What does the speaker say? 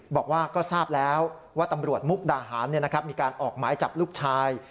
บอกว่าก็ทราบแล้วว่าตำรวจมุกดาหารมีการออกหมายจับลูกชาย